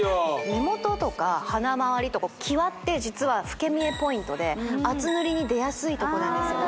目元とか鼻周り際って実は老け見えポイントで厚塗りに出やすいとこなんですよね